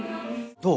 どう？